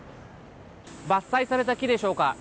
伐採された木でしょうか。